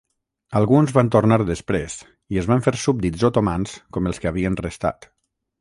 Alguns van tornar després i es van fer súbdits otomans com els que havien restat.